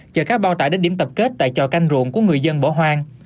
chờ các bao tải đến điểm tập kết tại trò canh ruộng của người dân bỏ hoang